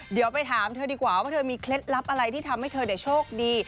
เดี๋ยวไปถามเธอดีกว่าว่าเธอมีเคล็ดลับอะไรที่ทำให้เธอโชคดี